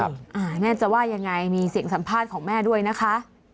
แม่จะว่ายังไงมีเสียงสัมภาษณ์ของแม่ด้วยนะคะ